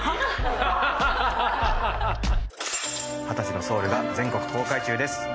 『２０歳のソウル』が全国公開中です。